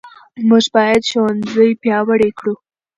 موږ باید ښوونځي پیاوړي کړو.